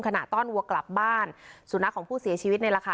ต้อนวัวกลับบ้านสุนัขของผู้เสียชีวิตนี่แหละค่ะ